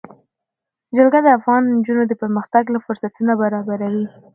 جلګه د افغان نجونو د پرمختګ لپاره فرصتونه برابروي.